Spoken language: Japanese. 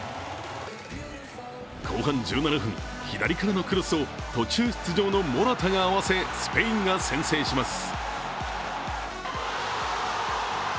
後半１７分、左からのクロスを途中出場のモラタが合わせスペインが先制します。